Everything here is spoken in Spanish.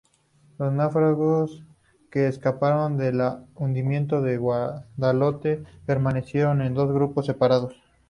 Los náufragos que escaparon del hundimiento del "Guadalete" permanecieron en dos grupos separados.